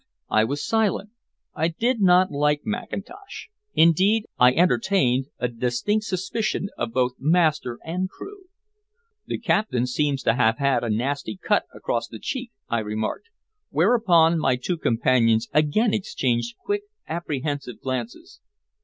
I was silent. I did not like Mackintosh. Indeed, I entertained a distinct suspicion of both master and crew. "The captain seems to have had a nasty cut across the cheek," I remarked, whereupon my two companions again exchanged quick, apprehensive glances.